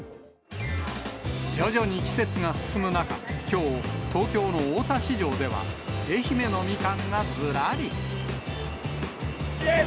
徐々に季節が進む中、きょう、東京の大田市場では、愛媛のみかんがずらり。